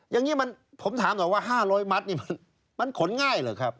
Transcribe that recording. อย่างนี้ผมถามหน่อยว่า๕๐๐มัตต์นี่มันขนง่ายเหรอครับ